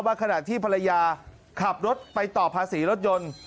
ขณะที่ภรรยาขับรถไปต่อภาษีรถยนต์